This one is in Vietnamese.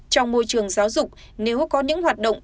trong môi trường giáo dục nếu có những hoạt động